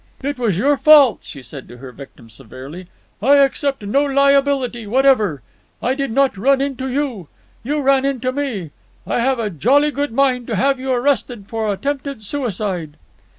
"It was your fault," she said to her victim severely. "I accept no liability whatever. I did not run into you. You ran into me. I have a jolly good mind to have you arrested for attempted suicide."